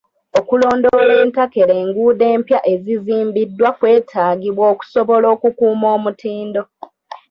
Okulondoola entakera enguudo empya ezizimbiddwa kwetaagibwa okusobola okukuuma omutindo.